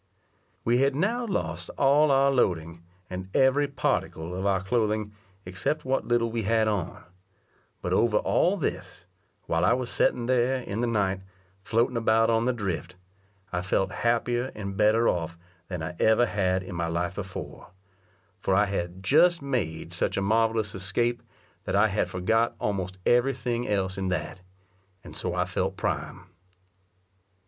We had now lost all our loading; and every particle of our clothing, except what little we had on; but over all this, while I was setting there, in the night, floating about on the drift, I felt happier and better off than I ever had in my life before, for I had just made such a marvellous escape, that I had forgot almost every thing else in that; and so I felt prime.